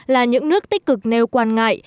là những nước tích cực nêu quan ngại